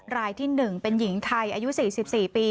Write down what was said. รายที่๑เป็นหญิงไทยอายุ๔๔ปี